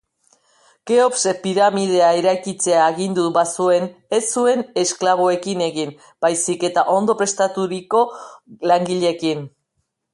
Keopsek piramidea eraikitzea agindu bazuen, ez zuen esklaboekin egin, baizik eta ondo prestaturiko langileekin.